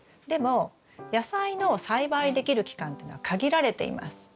でも野菜の栽培できる期間っていうのは限られています。